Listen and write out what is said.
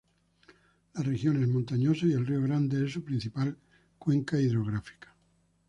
La región es montañosa y el Río Grande es su principal cuenca hidrográfica.